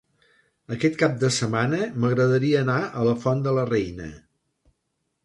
Aquest cap de setmana m'agradaria anar a la Font de la Reina.